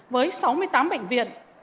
với sáu mươi tám bệnh viện